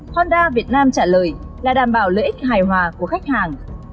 honda việt nam trả lời là đảm bảo lợi ích hài hòa của khách hàng